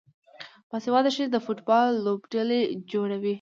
باسواده ښځې د فوټبال لوبډلې جوړوي.